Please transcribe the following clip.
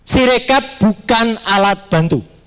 sirekat bukan alat bantu